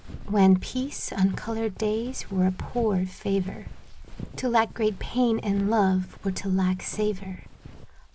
Wan peace, uncolored days, were a poor favor ; To lack great pain and love were to lack savor.